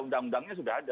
undang undangnya sudah ada